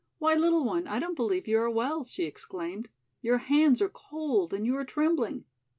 "Why, little one, I don't believe you are well," she exclaimed. "Your hands are cold and you are trembling."